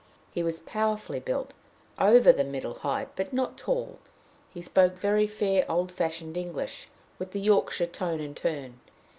He was powerfully built, over the middle height, but not tall. He spoke very fair old fashioned English, with the Yorkshire tone and turn.